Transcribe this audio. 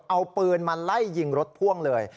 เอาปืนมาไล่ยิงรถพ่วงเลย